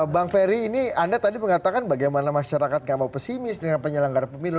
bang ferry ini anda tadi mengatakan bagaimana masyarakat gak mau pesimis dengan penyelenggara pemilu